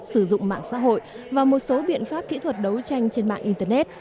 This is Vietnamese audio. sử dụng mạng xã hội và một số biện pháp kỹ thuật đấu tranh trên mạng internet